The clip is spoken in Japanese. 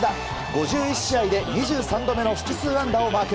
５１試合で２３度目の複数安打をマーク。